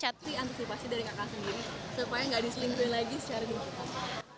diantisipasi dari kakak sendiri supaya gak diselingkuhin lagi secara dihubung